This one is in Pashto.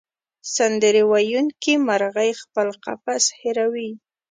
سندرې ویونکې مرغۍ خپل قفس هېروي.